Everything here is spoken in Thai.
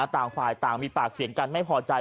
ต่างฝ่ายต่างมีปากเสียงกันไม่พอใจ